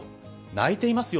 泣いていますよ。